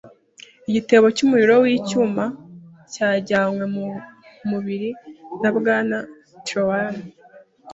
Igitebo cy'umuriro w'icyuma cyajyanywe mu mubiri na Bwana Trelawney,